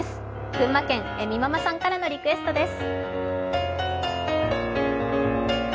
群馬県ｅｍｉママさんからのリクエストです。